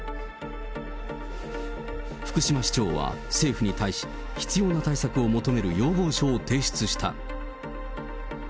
福島市長は政府に対し、必要な対策を求める要望書を提出した。